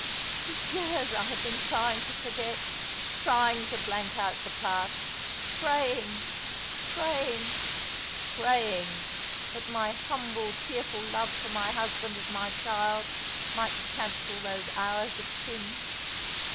"For years I have been trying to forget — trying to blank out the past — praying, praying, praying that my humble, tearful love for my husband and my child might cancel those hours of sin.